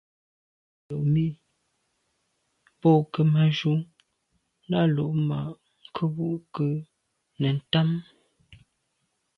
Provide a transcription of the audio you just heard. Yomi bo Kemaju’ na’ lo mà nkebnjù nke nèn ntàne.